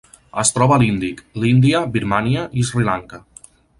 Es troba a l'Índic: l'Índia, Birmània i Sri Lanka.